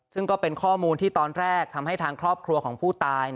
ซึ่งก็เป็นข้อมูลที่ตอนแรกทำให้ทางครอบครัวของผู้ตาย